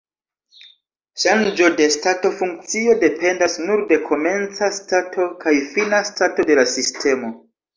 Ŝanĝo de stato-funkcio dependas nur de komenca stato kaj fina stato de la sistemo.